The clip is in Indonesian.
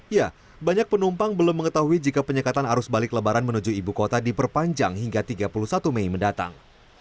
ya banyak penumpang belum mengetahui jika penyekatan arus balik lebaran menuju ibu kota diperpanjang hingga tiga puluh satu mei mendatang